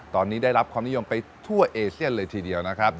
ตอนนี้ได้รับความนิยมไปทั่วเอเชียนเลยทีเดียวนะครับ